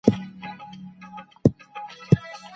استاد پسرلی د خپل شعر پر کیفیت تمرکز کوي.